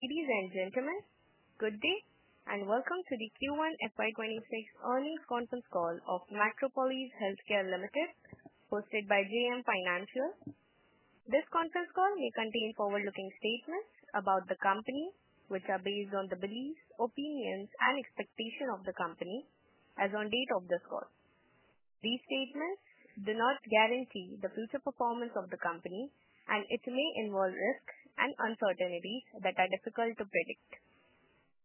Ladies and Gentlemen. Good day and welcome to the Q1 FY2026 Earnings Conference Call of Metropolis Healthcare Limited hosted by JM Financial. This conference call may contain forward-looking statements about the company which are based on the beliefs, opinions, and expectations of the company as on date of this call. These statements do not guarantee the future performance of the company and it may involve risks and uncertainties that are difficult to predict.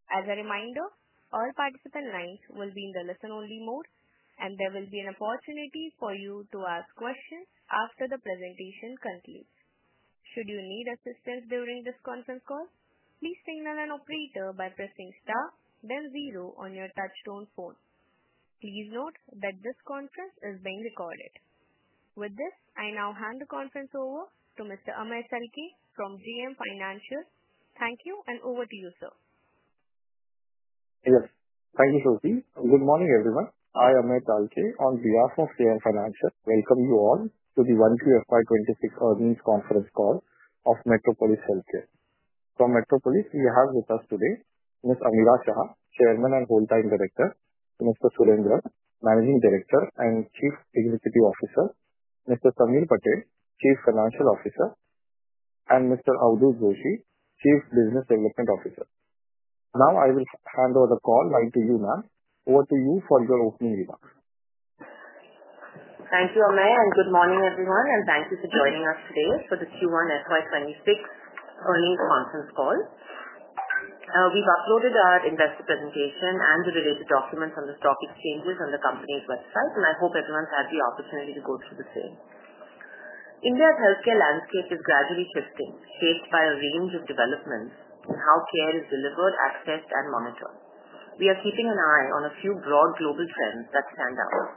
As a reminder, all participant lines will be in the listen-only mode and there will be an opportunity for you to ask questions after the presentation concludes. Should you need assistance during this conference call, please signal an operator by pressing star then zero on your touch-tone phone. Please note that this conference is being recorded. With this, I now hand the conference over to Mr. Amey Chalke from JM Financial. Thank you and over to you, sir. Yes, thank you Shruti. Good morning everyone. I am Amey Chalke on behalf of JM Financial, welcome you all to the 1Q FY2026 Earnings Conference Call of Metropolis Healthcare. From Metropolis, we have with us today Ms. Ameera Shah, Chairman and Whole Time Director, Mr. Surendran, Managing Director and Chief Executive Officer, Mr. Sameer Patel, Chief Financial Officer, and Mr. Avadhut Joshi, Chief Business Development Officer. Now I will hand over the call line to you Ma'am, over to you for your opening remarks. Thank you, Amey. Good morning, everyone, and thank you for joining us today for the Q1 FY2026 earnings call. Now, we've uploaded our investor presentation and the related documents on the stock exchanges and on the company's website, and I hope everyone's had the opportunity to go through the same. India's healthcare landscape is gradually shifting, shaped by a range of developments in how care is delivered, accessed, and monitored. We are keeping an eye on a few broad global trends that stand out: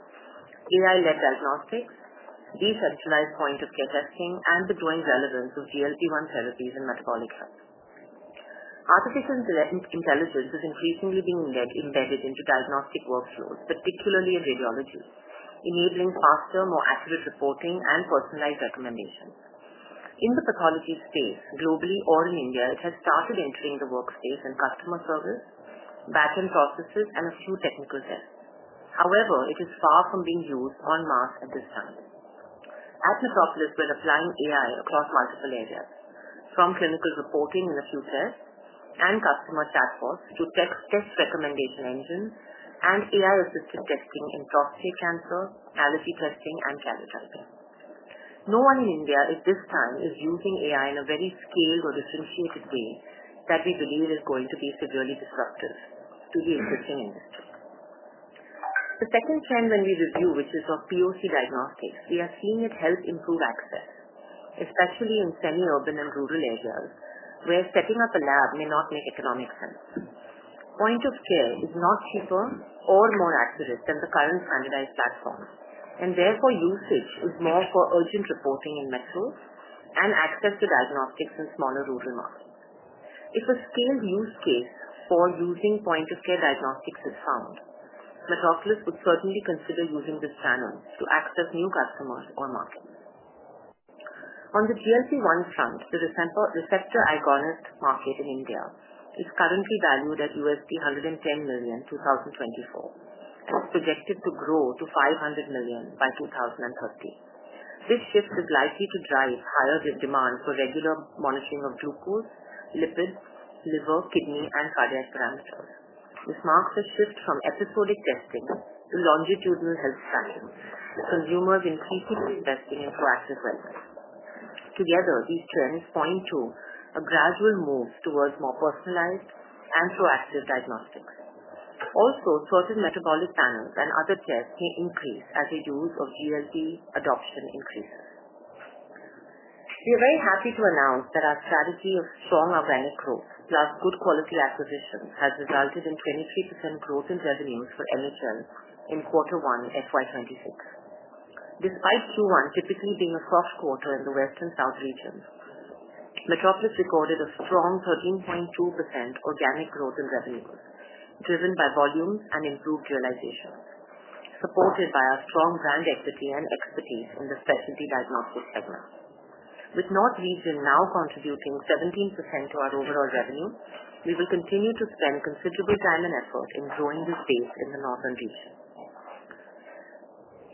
AI-led diagnostics, decentralized point of care testing, and the growing relevance of GLP-1 therapies and metabolic health. Artificial intelligence is recently being embedded into diagnostic workflows, particularly in radiology, enabling faster, more accurate reporting and personalized recommendations. In the pathology space, globally or in India, it has started entering the workspace and customer service, back-end processes and a few technical tests. However, it is far from being used en masse at this time. At Metropolis, we are applying AI across multiple area, from clinical reporting in a few tests and customer chatbots to test recommendation engines and AI assisted testing in prostate cancer, allergy testing, and Karyotyping. No one in India at this time is using AI ina very scaled or differentiated way that we believe is going to be severely disruptive to the existing industry. The second trend when we review, which is of POC diagnostics, we are seeing it help improve access, especially in semi-urban and rural areas where setting up a lab may not make economic sense. Point of Care is not cheaper or more accurate than the current standardized platforms, and therefore usage is more for urgent reporting in metros and access to diagnostics in smaller rural markets. If a scaled use case for using Point of Care diagnostics is found, Metropolis would certainly consider using the channel to access new customers or markets. On the GLP-1 front, the receptor agonist market in India is currently valued at $110 million in 2024 and projected to grow to $500 million by 2030. This shift is likely to drive higher demand for regular monitoring of glucose, lipids, liver, kidney, and cardiac parameters. This marks a shift from episodic testing to longitudinal health tracking, with consumers increasingly investing in proactive wellness. Together, these trends point to a gradual move towards more personalized and proactive diagnostics. Also, certain metabolic channels and other tests may increase as the use of GLP adoption increases. We are very happy to announce that our strategy of strong organic growth plus good quality acquisitions has resulted in 23% growth in revenues for MHL in Q1 FY2026. Despite Q1 typically being a soft quarter in the West and South region, Metropolis recorded a strong 13.2% organic growth in revenues driven by volume and improved realization supported by our strong brand equity and expertise in the specialty diagnostic segment. With North region now contributing 17% to our overall revenue, we will continue to spend considerable time and effort in growing the space in the North region.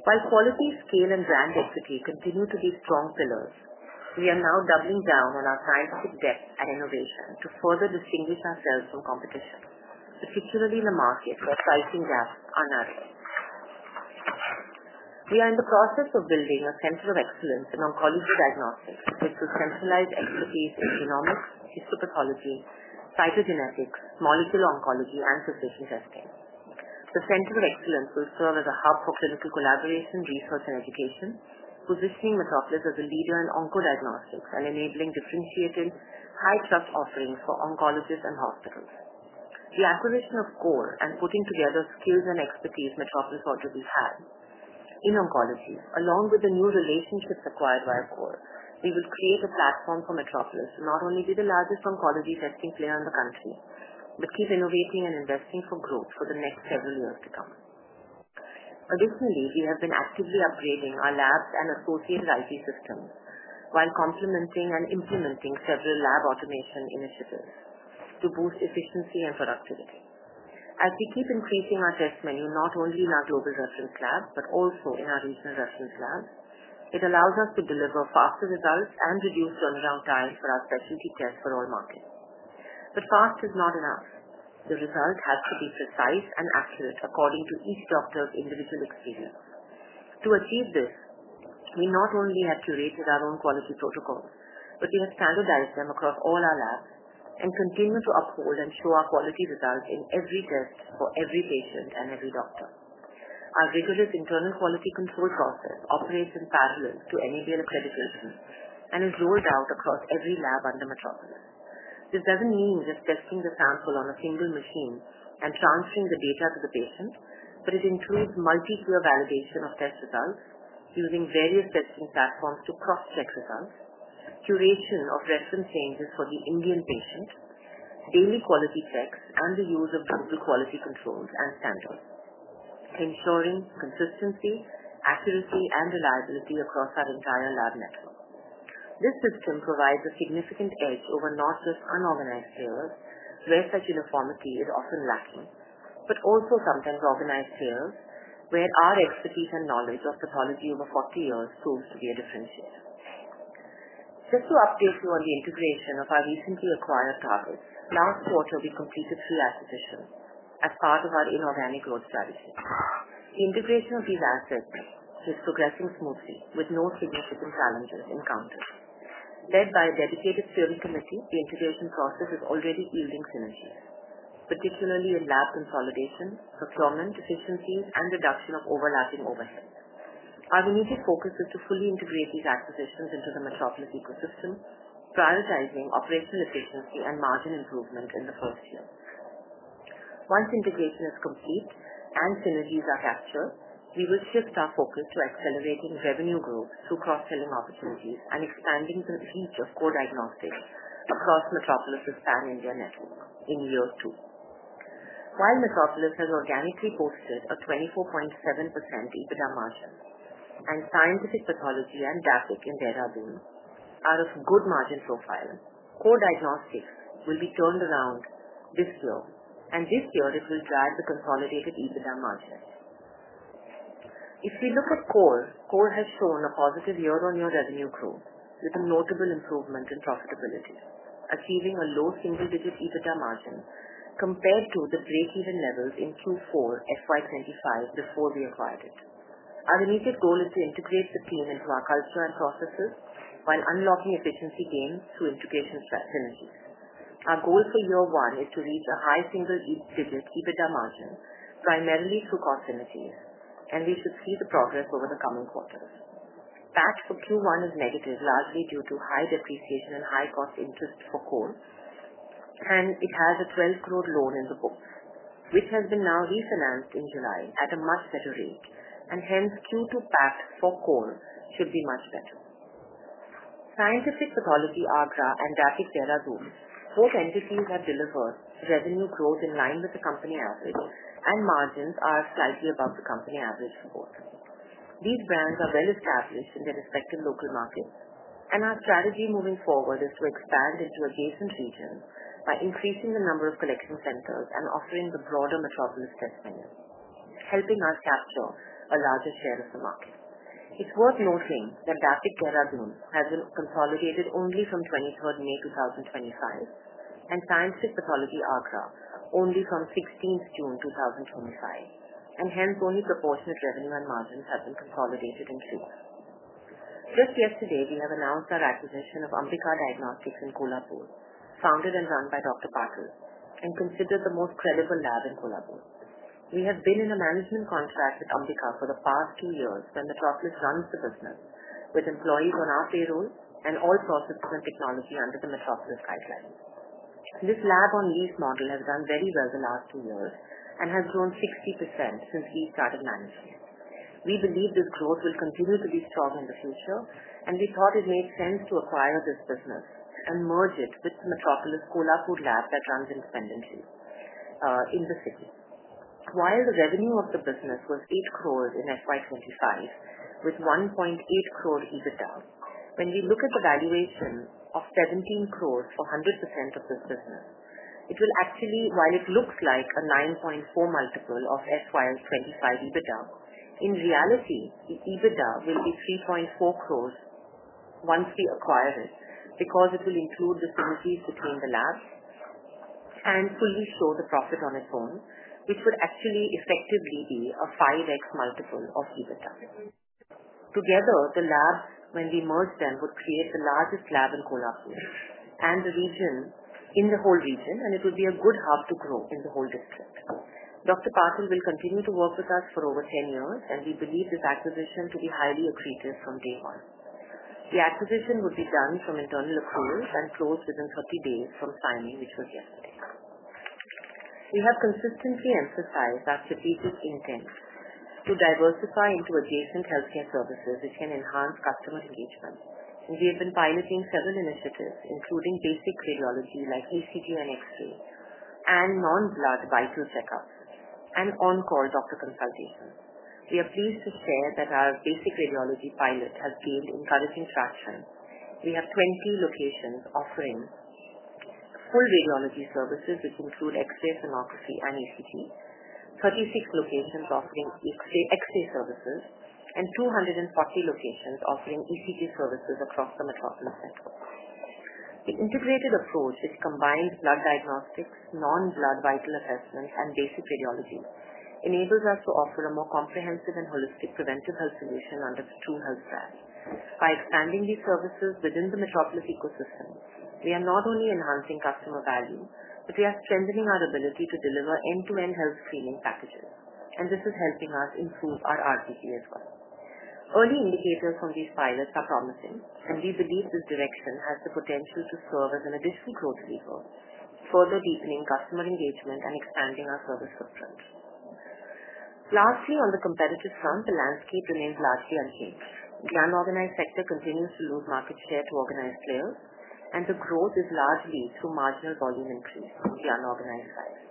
While quality, scale, and brand equity continue to be strong pillars, we are now doubling down on our scientific depth and innovation to further distinguish ourselves from competition, particularly in a market where pricing gaps are narrowing, We are in the process of building a Center of Excellence in Oncology diagnostics, with the centralized expertise in genomics, histopathology, cytogenetic, molecular oncology, and physical testing. The Center of Excellence will serve as a hub for clinical collaboration, research, and education, positioning Metropolis as a leader in onco diagnostics and enabling differentiated high trust offerings for oncologists and hospitals. The acquisition of Core and putting together skills and expertise Metropolis already had in oncology along with the new relationships acquired via Core, we will seek a platform for Metropolis. Not only be the largest oncology testing player in the country, but keep innovating and investing for growth for the next several years to come. Additionally, we have been actively upgrading our labs and associated IT systems while complementing and implementing several lab automation initiatives to boost efficiency and productivity. As we keep increasing our test menu not only in our global reference lab but also in our regional reference lab, it allows us to deliver faster results and reduce turnaround times for our specialty test for all markets. But fast is not enough. The result has to be precise and accurate according to each doctor's individual experience. To achieve this, we not only have curated our own quality protocols, but we have standardized them across all our labs and continue to uphold and show our quality results in every test for every patient and every doctor. Our vigorous internal quality control process operates in parallel to NABL accreditation and is rolled out across every lab under Metropolis. This doesn't mean just testing the sample on a single machine and transferring the data to the patient, but it includes multi-Tier validation of test results, using various testing platforms to cross-check results, curation of reference ranges for the Indian patients, daily quality checks, and the use of global quality controls and standards ensuring consistency, accuracy, and reliability across our entire lab network. This system provides a significant edge over not just unorganized fields where such uniformity is often lacking, but also sometimes organized fields where our expertise and knowledge of pathology over 40 years proves to be a differentiator. Just to update you on the integration of our recently acquired target, last quarter we completed three acquisitions as part of our inorganic growth strategy. Integration of these assets is progressing smoothly with no significant challenges encountered. Led by a dedicated steering committee, the integration process is already yielding synergies, particularly in lab consolidation, procurement efficiencies, and reduction of overlapping overheads. Our immediate focus is to fully integrate these acquisitions into the Metropolis ecosystem, prioritizing operational efficiency and margin improvement in the first year. Once integration is complete and synergies are captured, we will shift our focus to accelerating revenue growth through cross-selling opportunities and expanding the reach of Core Diagnostics across Metropolis Pan India network in year two. While Metropolis has organically posted a 24.7% EBITDA margin and Scientific Pathology and DAPIC in Dehradun are of good margin profile, Core Diagnostics will be turned around this year and this year it will drive the consolidated EBITDA market. If we look at Core, Core has shown a positive year-on-year revenue growth with a notable improvement in profitability, achieving a low single-digit EBITDA margin compared to the break-even levels in Q4 FY2025 before we acquired it. Our immediate goal is to integrate the team into our culture and processes while unlocking efficiency gains through integration synergies. Our goal for year one is to reach a high single digit EBITDA margin primarily through cost synergies and we should see the progress over the coming quarters. PAT for Q1 is negative, largely due to high depreciation and high cost interest for Core, and it has a 12 crores loan in the books, which has been now refinanced in July at a much better rate and hence Q2 PAT for Core should be much better. Scientific Pathology, Agra and DAPIC, Dehradun, both entities have delivered revenue growth in line with the company average and margins are slightly above the company average for both. These brands are well established in their respective local markets and our strategy moving forward is to expand into adjacent regions by increasing the number of collection centers and offering the broader Metropolis test menu, helping us capture a larger share of the market. It's worth noting that DAPIC, Dehradun has been consolidated only from 23rd May 2025, and Scientific Pathology Agra only from 16th June 2025, and hence only proportionate revenue and margins have been consolidated. Just yesterday, we have announced our acquisition of Ambika Diagnostics in Kolhapur, founded and run by Dr. Patil, and considered the most credible lab in Kolhapur. We have been in a management contract with Ambika for the past few years, where Metropolis runs the business with employees on our payroll and all processes and technology under the Metropolis guidelines. This lab on lease model has done very well the last two years and has grown 60% since we started managing it. We believe this growth will continue to be strong in the future and we thought it made sense to acquire this business and merge it with Metropolis Kolhapur lab that runs independently in the city. While the revenue of the business was 8 crores in FY2025 with 1.8 croress EBITDA, when we look at the valuation of 17 croress for 100% of this business, while it looks like a 9.4x of FY2025 EBITDA, in reality its EBITDA will be 3.4 croress once we acquire it. Because it will include the synergies between the labs and fully show the profit on its own, it would actually effectively be a 5x multiple of EBITDA. Together the lab when we merge them would create the largest lab in Kolhapur and the region, in the whole region and it would be a good hub to grow in the whole district. Dr. Patil will continue to work with us for over 10 years and we believe this acquisition to be highly accretive from day one. The acquisition would be done from internal accruals and closed within 30 days from signing which was yesterday. We have consistently emphasized that strategic intent to diversify into adjacent healthcare services which can enhance customer engagement. We have been piloting several initiatives including basic radiology like ECG and X-ray and non-blood vital checkups and on-call doctor consultations. We are pleased to share that our basic radiology pilot has gained encouraging traction. We have 20 locations offering full radiology services which include X-ray, sonography, and ECG. 36 locations offering X-ray services, and 240 locations offering ECG services across the Metropolis network. The integrated approach, which combines blood diagnostics, non-blood vital assessments, and basic radiology, enables us to offer a more comprehensive and holistic preventive health solution under TruHealth brand. By expanding these services within the Metropolis ecosystem, we are not only enhancing customer value but we are strengthening our ability to deliver end-to-end health screening packages and this is helping us improve our RGP as well. Early indicators from these pilots are promising and we believe this direction has the potential to serve as an additional growth lever, further deepening customer engagement and expanding our service footprint. Lastly, on the competitive front, the landscape remains largely unchanged. The unorganized sector continues to lose market share to organized players and the growth is largely through marginal volume increase in the unorganized size.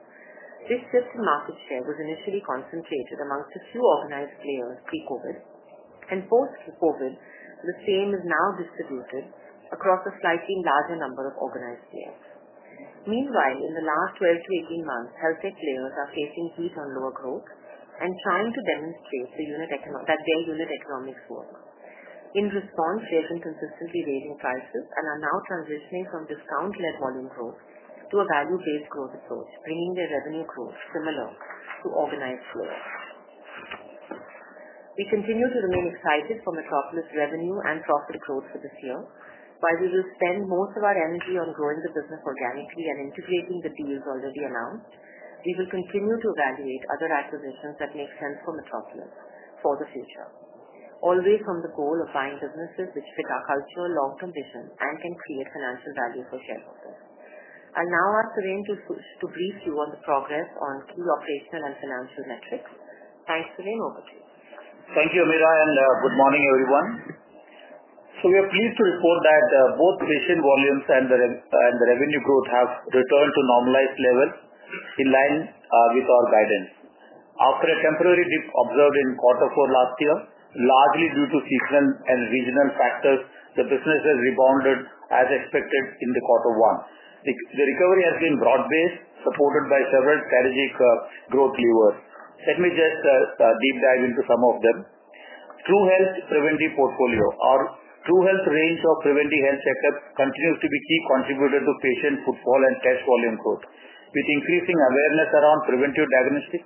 This shift in market share was initially concentrated amongst a few organized players pre-COVID and post-COVID. The chain is now distributed across a slightly larger number of organized chains. Meanwhile, in the last 12-18 months, health tech players are facing heat on lower growth and trying to demonstrate that their unit economics work. In response, they have been consistently raising prices and are now transitioning from discount net volume growth to a value-based growth approach, bringing their revenue growth similar to organized flow. We continue to remain excited for Metropolis' revenue and profit growth for this year. While we will spend most of our energy on growing the business organically and integrating the deals already announced, we will continue to evaluate other acquisitions that make sense for Metropolis for the future, always from the goal of buying businesses which fit our culture, long term vision, and can create financial value for shareholders. I will now ask Surendran to brief you on the progress on key operational and financial metrics. Thanks, Surendran. Over to you. Thank you Ameera and good morning everyone. We are pleased to report that both patient volumes and the revenue growth have returned to normalized level in line with our guidance. After a temporary dip observed in Q4 last year, largely due to seasonal and regional factors, the business has rebounded as expected in the Q1. The recovery has been broad based supported by several strategic growth levers. Let me just deep dive into some of them. TruHealth Preventive Portfolio or TruHealth Range of Preventive Health Checkups continues to be key contributed to patient footfall and test volume growth. With increasing awareness around preventive diagnostic,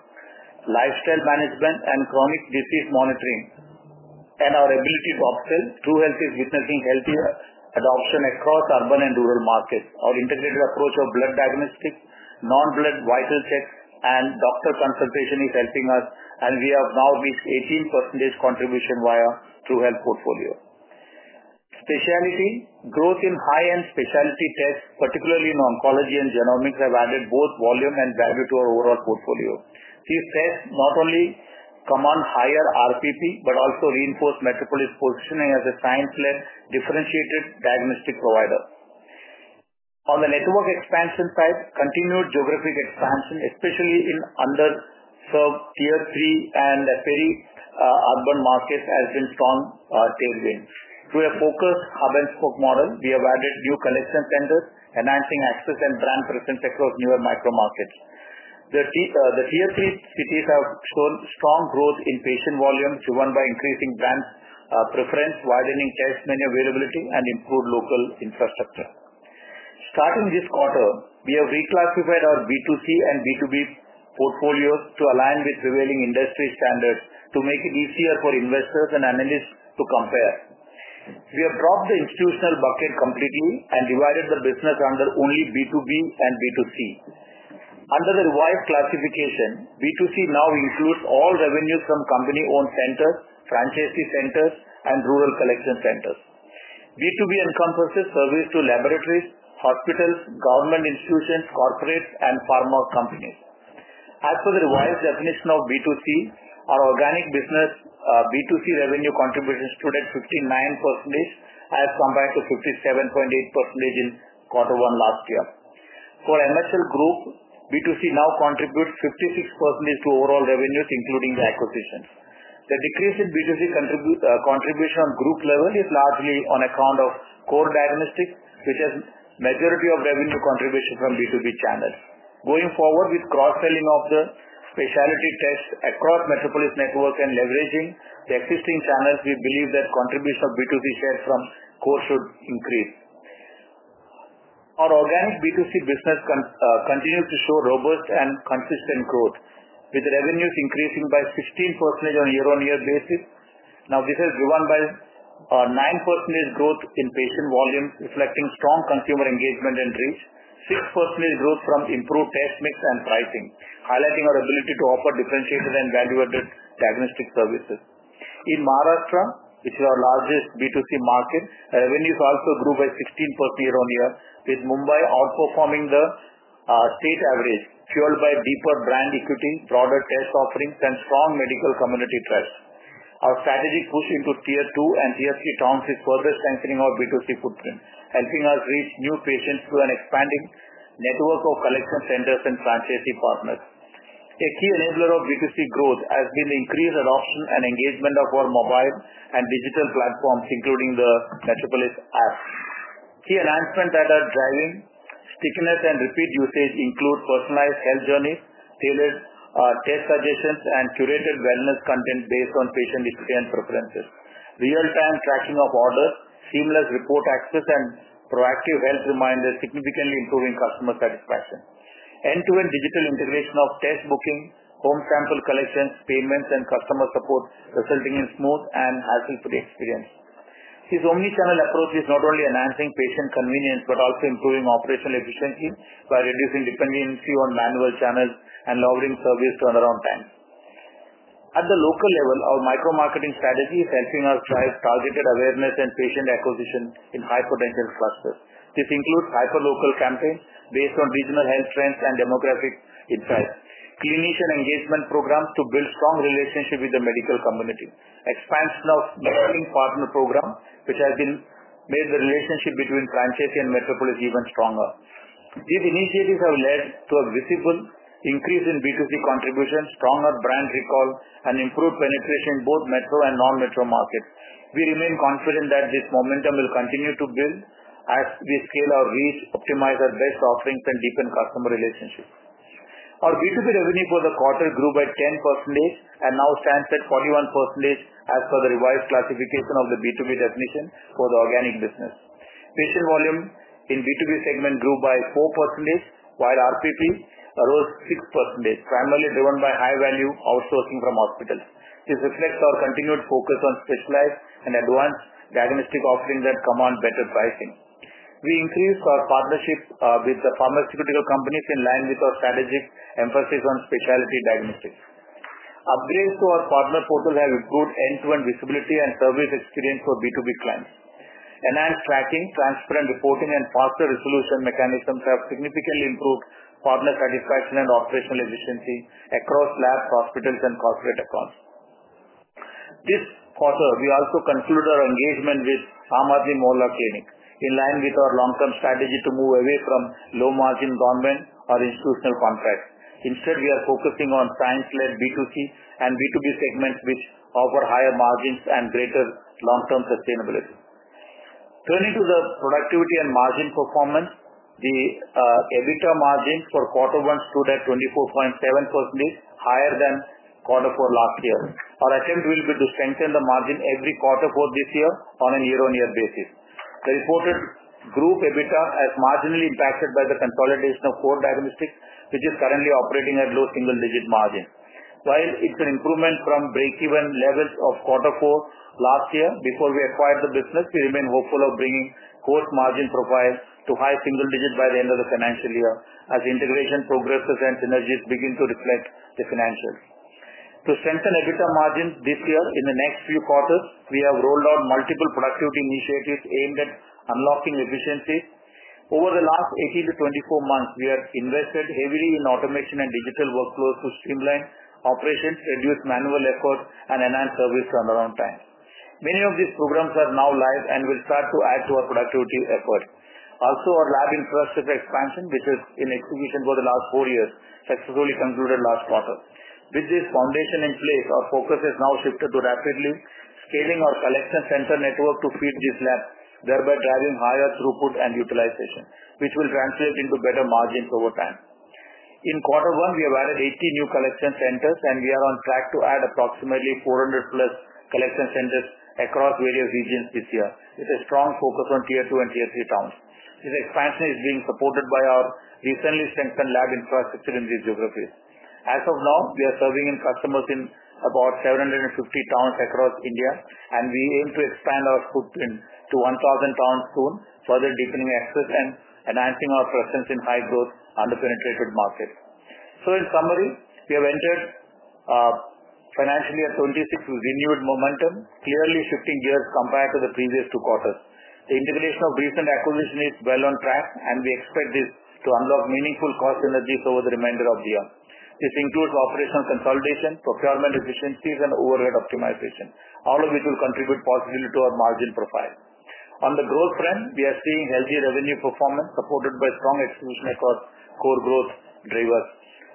lifestyle management and chronic disease monitoring and our ability to upsell, TruHealth is witnessing healthier adoption across urban and rural markets. Our integrative approach of blood diagnostics, non blood vital check and doctor consultation is helping us and we have now reached 18% contribution via TruHealth Portfolio. Specialty: growth in high end specialty tests, particularly in oncology and genomics have added both volume and value to our overall portfolio. These tests not only command higher RPP but also reinforced Metropolis positioning as a science-led differentiated diagnostic provider. On the network expansion side, continued geographic expansion especially in underserved Tier 3 and very urban markets has been strong tailwind. Through a focused hub-and-spoke model, we have added new collection centers enhancing access and brand presence across newer micro markets. The Tier 3 cities have shown strong growth in patient volumes driven by increasing brand preference, widening test menu availability and improved local infrastructure. Starting with this quarter, we have reclassified our B2C and B2B portfolios to align with prevailing industry standards to make it easier for investors and analysts to compare. We have dropped the institutional bucket completely and divided the business under only B2B and B2C. Under the wide classification, B2C now includes all revenue from company owned center, franchisee centers and rural collection centers. B2B encompasses service to laboratories, hospitals, government institutions, corporates and pharma companies. As per the revised definition of B2C, our organic business B2C revenue contribution stood at 59% as compared to 57.8% in Q1 last year. For MHL Group, B2C now contributes 56% to overall revenues including the acquisitions. The decrease in B2C contribution on group level is largely on account of Core Diagnostics, which has majority of revenue contribution from B2B channel. Going forward with cross selling of the Specialty Test across Metropolis network and leveraging the existing channels, we believe that contribution of B2C shares from Core should increase. Our organic B2C business continues to show robust and consistent growth, with revenues increasing by 15% on a year-on-year basis. Now this has gone by 9% growth in patient volume reflecting strong consumer engagement and reach 6% growth from improved test mix on pricing, highlighting our ability to offer differentiated and value added diagnostic services. In Maharashtra, which is our largest B2C market, revenues also grew by 16% year-on-year with Mumbai outperforming the state average, fueled by deeper brand equity, broader test offerings, and strong medical community trust. Our strategy push into Tier 2 and Tier 3 towns is further strengthening our B2C footprint, helping us reach new patients through an expanding network of collection centers and franchisee partners. A key enabler of B2C growth has been the increased adoption and engagement of our mobile and digital platforms including the Metropolis app. Key announcements that are driving stickiness and repeat usage include personalized health journeys, tailored test suggestions, and curated wellness content based on patient experience preferences. Real time tracking of orders, seamless report access, and proactive event reminders significantly improving customer satisfaction. End to end digital integration of test booking, home sample collections, payments, and customer support resulting in smooth and hassle-free experience. This omnichannel approach is not only enhancing patient convenience but also improving operational efficiency by reducing dependency on manual channels and offering service turnaround times. At the local level, our micro marketing strategy is helping us drive targeted awareness and patient acquisition in high potential clusters. This includes hyper-local campaigns based on regional health trends and demographic impact, clinician engagement program to build strong relationship with the medical community. Expansion of Metlink Partner Program which has made the relationship between franchisee and Metropolis even stronger. These initiatives have led to a visible increase in B2C contribution, stronger brand recall, and improved benefits in both metro and non-metro markets. We remain confident that this momentum will continue to build as we scale our reach, optimize our best offerings, and deepen customer relationships. Our B2B revenue for the quarter grew by 10% and now stands at 41% as per the revised classification of the B2B definition for the organic business. Patient volume in the B2B segment grew by 4% while RPP rose 6%, primarily driven by high value outsourcing from hospitals. This reflects our continued focus on specialized and advanced diagnostic offerings that command better pricing. We increased our partnerships with the pharmaceutical companies in line with strategies emphasis on Specialty diagnostics. Upgrade to our partner portals has improved end-to-end visibility and service experience for B2B clients. Enhanced tracking, transparent reporting, and faster resolution mechanisms have significantly improved partner satisfaction and operational efficiency across labs, hospitals, and corporate accounts. This quarter, we also considered our engagement with Aam Aadmi Mohalla Clinic in line with our long-term strategy to move away from low margin government or institutional contracts. Instead, we are focusing on science-led B2C and B2B segments which offer higher margins and greater long-term sustainability. Turning to the productivity and margin performance. The EBITDA margins for Q1 stood at 24.7%, higher than Q4 last year. Our attempt will be to strengthen the margin every quarter for this year on a year-on-year basis. The reported group EBITDA has marginally impacted by the consolidation of Core Diagnostics, which is currently operating at low single digit margins. While it's an improvement from breakeven levels of Q4 last year before we acquired the business, we remain hopeful of bringing Core's margin profile to high single digit by the end of the financial year as integration progresses and synergies begin to reflect in the financials. To strengthen EBITDA margins this year and in the next few quarters, we have rolled out multiple productivity initiatives aimed at unlocking efficiencies over the last 18-24 months, we have invested heavily in automation and digital workflows to streamline operations, reduce manual effort, and enhance service run around times. Many of these programs are now live and will start to add to our productivity efforts. Also, our lab infrastructure expansion, which is in execution for the last four years, successfully concluded last quarter. With this foundation in place, our focus has now shifted to rapidly scaling our collection center network to feed this labs, thereby driving higher throughput and utilization, which will translate into better margins over time. In Q1, we have added 80 new collection centers, and we are on track to add approximately 400+ collection centers across various regions this year with a strong focus on Tier 2 and Tier 3 towns. This expansion is being supported by our recently strengthened lab infrastructure in these geographies. As of now, we are serving customers in about 750 towns across India, and we aim to expand our footprint to 1,000 towns soon, further deepening access and enhancing our presence in high-growth, underpenetrated markets. In summary, we have entered financial year 2026 with renewed momentum, clearly shifting gears compared to the previous two quarters. The integration of recent acquisitions is well on track, and we expect this to unlock meaningful cost synergies over the remainder of the year. This includes operational consolidation, procurement efficiencies, and overhead optimization, all of which will contribute positively to our margin profile. On the growth trend, we are seeing healthy revenue performance supported by strong execution across Core growth drivers.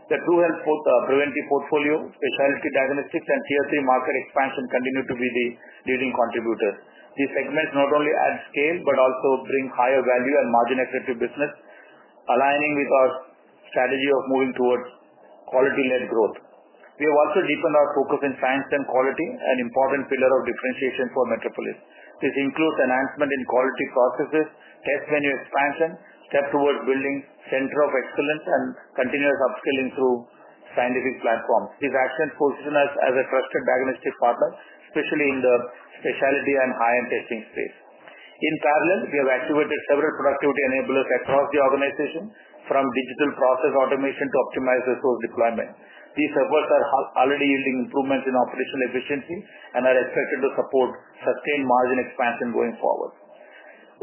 The TruHealth Preventive Portfolio, speciality diagnostics, and Tier 3 market expansion continue to be the leading contributors. These segments not only add scale but also bring higher value and margin accelerative business, aligning with our strategy of moving towards quality-led growth. We have also deepened our focus in science and quality, an important pillar of differentiation for Metropolis. This includes enhancement in quality processes, test menu expansion, step forward building center of excellence, and continuous upskilling through scientific platforms. These actions position us as a trusted diagnostic partner, especially in the specialty and high end testing space. In parallel, we have activated several productivity enablers across the organization, from digital process automation to optimize resource deployment. These efforts are already yielding improvements in operational efficiency and are expected to support sustained margin expansion going forward.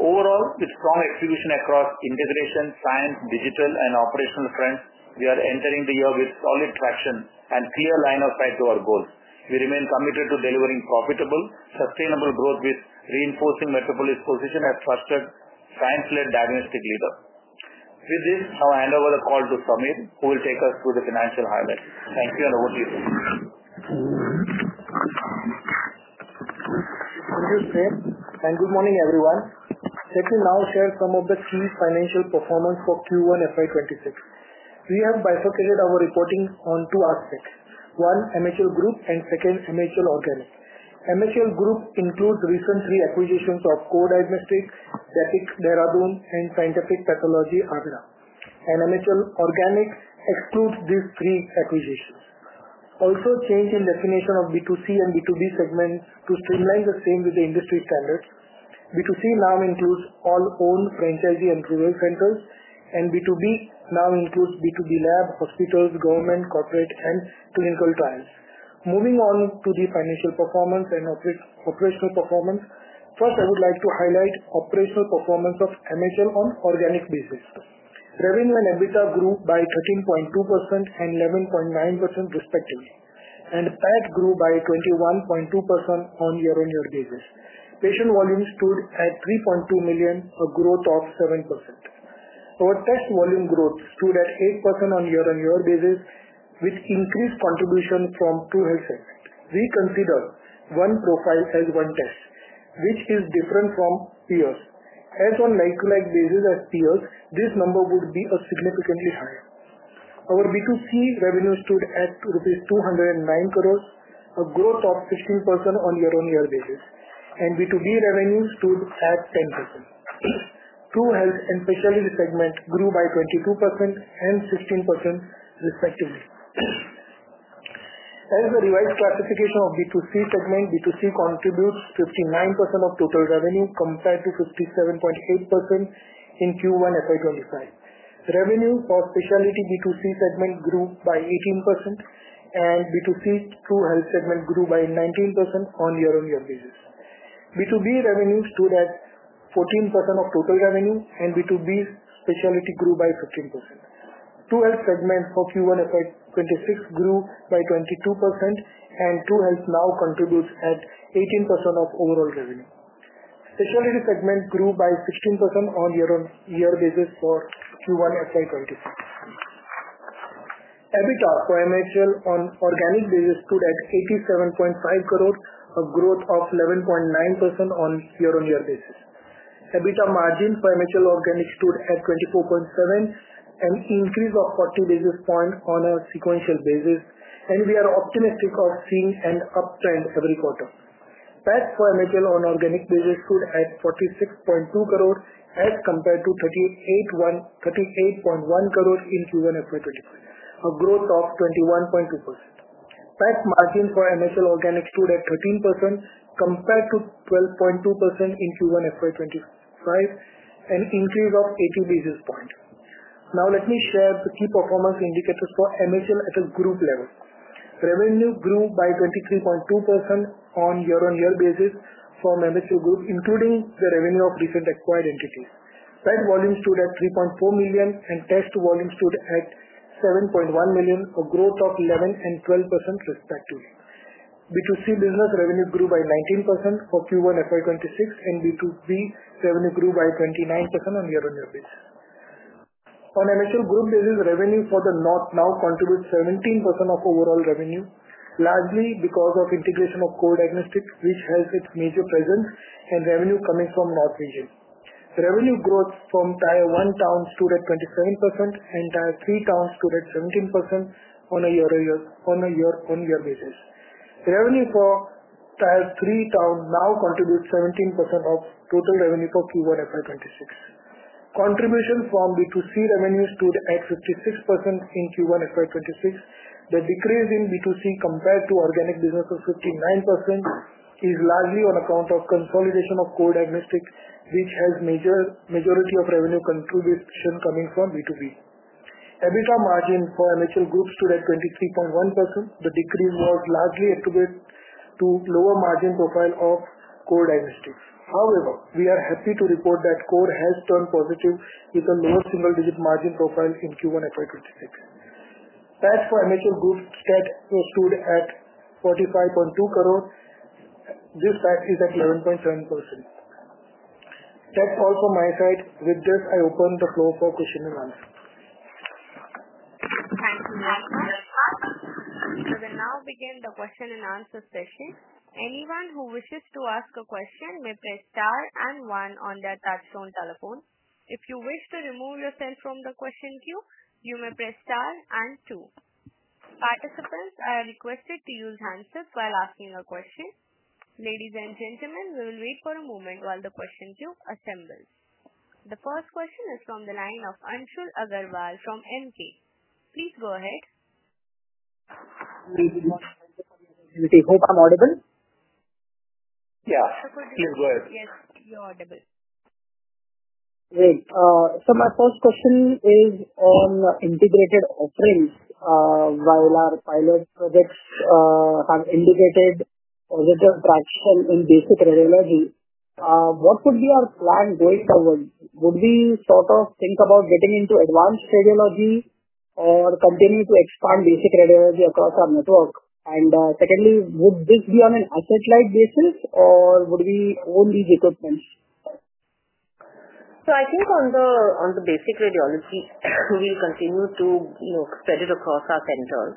Overall, with strong execution across integration science, digital and operational trends, we are entering the year with solid traction and clear line of tag to our goals. We remain committed to delivering profitable sustainable growth with reinforcing Metropolis position at trusted science led-diagnostic leader. With this, I'll hand over the call to Sameer who will take us through the financial highlights. Thank you and over to you. Thank you Suren. Good morning, everyone. Let me now share some of the key financial performance for Q1 FY2026. We have bifurcated our reporting on two aspects, one MHL Group and second MHL Organic. MHL Group includes recent three acquisitions of Core Diagnostics, DAPIC Dehradun and Scientific Pathology Agra, and MHL Organic excludes these three acquisitions. Also, change in definition of B2C and B2B segment to streamline the same with the industry standards. B2C now includes all owned franchisee and rural centers and B2B now includes B2B Lab, hospitals, government, corporate and clinical trials. Moving on to the financial performance and operational performance, first I would like to highlight operational performance of MHL on organic basis. Revenue and EBITDA grew by 13.2% and 11.9% respectively and PAT grew by 21.2% on year-on-year basis. Patient volume stood at 3.2 million, a growth of 7%. Our test volume growth stood at 8% on year-on-year basis with increased contribution from TruHealth segment. We consider one profile size one test which is different from peers. As on like basis as peers this number would be a significantly higher. Our B2C revenue stood at INR 209 million, a growth of 15% on year-on-year basis and with B2B revenue stood at 10%. TruHealth and Specialty segments grew by 22% and 16% respectively. Also revised classification of B2C segment, B2C contributes 59% of total revenue compared to 57.8% in Q1 FY2025. Revenue for Specialty, B2C segment grew by 18% and B2C TruHealth segment grew by 19% on year-on-year basis. B2B revenue stood at 14% of total revenue and B2B's Specialty grew by 15%. TruHealth segments of Q1 FY2026 grew by 22% and TruHealth now contributes 18% of overall revenue. Specialty segment grew by 16% on year-on-year they discovered through Q1 FY2026. EBITDA for MHL on organic basis stood at INR 87.5 crores, a growth of 11.9% on year-on-year basis. EBITDA margin for MHL organic stood at 24.7%, an increase of 14 basis points on a sequential basis and we are optimistic of seeing an uptrend every quarter. PAT for MHL on organic basis stood at INR 46 crores as compared to INR 38.1 crores in Q1 FY2025, a growth of 21.2%. PAT margin for MHL organic stood at 13% compared to 12.2% in Q1 FY2025, an increase of 80 basis points. Now let me share the key performance indicators for MHL at a group level. Revenue grew by 23.2% on year-on-year basis from MHL Group including the revenue of recently acquired entities. PAT volume stood at 3.4 million and test volume stood at 7.1 million, a growth of 11% and 12% respectively. B2C business revenue grew by 19% for Q1 FY2026 and B2B revenue grew by 29% on year-on-year basis. On MHL basis, revenue for the North now contributes 17% of overall revenue largely because of integration of Core Diagnostics which has its major presence and revenue coming from North region. Revenue growth from Tier 1 towns stood at 27% and Tier 3 towns stood at 17% on a year-on-year basis. Revenue for Tier 3 towns now contributes 17% of total revenue for Q1 FY2026. Contribution from B2C revenue stood at 56% in Q1 FY2026. The decrease in B2C compared to organic business of 59% is largely on account of consolidation of Core Diagnostics which has majority of revenue contribution coming from B2B. EBITDA margin for MHL Group stood at 23.1%. The decrease was largely attributed to lower margin profile of Core Diagnostics. However, we are happy to report that Core has turned positive with a lower single digit margin profile in Q1 FY2026. PAT for MHL Group stood at INR 45.2 croress. This PAT is at 11.7%. That's all for my side. With this I open the floor for question and answer. Thank you. We will now begin the question and answer session. Anyone who wishes to ask a question may press star and one on their touchstone telephone. If you wish to remove yourself from the question queue, you may press star and two. Participants are requested to use handsets while asking a question. Ladies and gentlemen, we will wait for a moment while the question queue assembles. The first question is from the line of Anshul Agarwal from Emkay. Please go ahead. Good morning. I think I am audible. Yeah, you can go ahead. Yes, you're audible. My first question is on integrated offerings. While our pilot projects have indicated positive traction in basic radiology, what could be our plan going forward? Would we sort of think about getting into advanced radiology or continue to expand basic radiology across our network? Secondly, would this be on an asset-like basis or would we own these equipments? I think on the basic radiology we continue to spread it across our centers.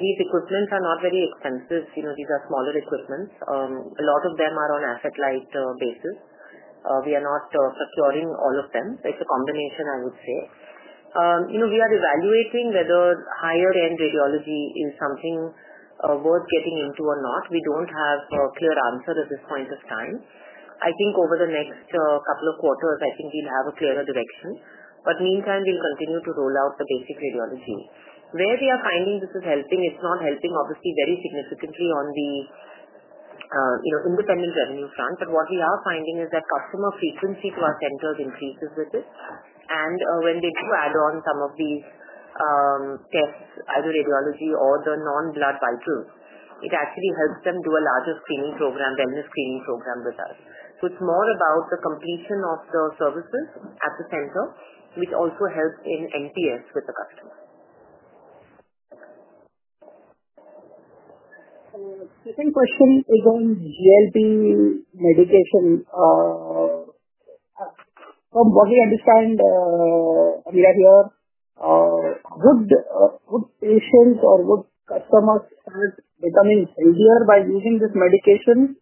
These equipments are not very expensive. These are smaller equipments. A lot of them are on asset light basis. We are not procuring all of them. It's a combination, I would say. We are evaluating whether higher end radiology is something worth getting into or not. We don't have a clear answer at this point of time. I think over the next couple of quarters, I think we'll have a clearer direction. In the meantime, we'll continue to roll out the basic radiology. Where we are finding this is helping, if not helping obviously very significantly on the independent revenue front. What we are finding is that customer frequency to our centers increases with this. When they do add on some of the tests, either radiology or the non blood vitals, it actually helps them do a larger screening program than the screening program with us. It's more about the completion of the services at the center which also helps in NPS with the customer. Second question is on GLP medication. From what we understand here, would patients or would customers start becoming healthier by using this medication?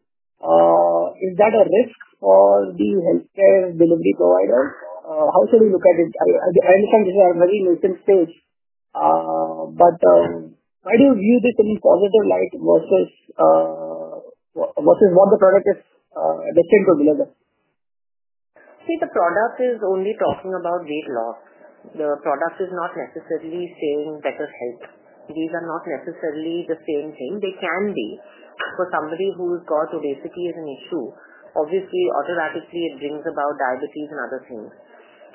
Is that a risk for the healthcare delivery provider? How should we look at it? I understand this is a very recent stage. But why do you view this in positive light versus what the product is destined to deliver? See, the product is only talking about weight loss. The product is not necessarily saying better health. These are not necessarily the same thing. They can be for somebody who's got obesity as an issue. Obviously, automatically it brings about diabetes and other things.